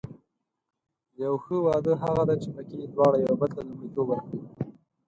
یو ښه واده هغه دی چې پکې دواړه یو بل ته لومړیتوب ورکړي.